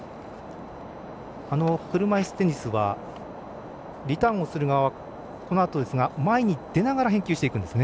車いすテニスはリターンをする側前に出ながら返球していくんですね。